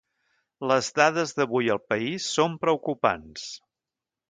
Les dades d’avui al país són preocupants.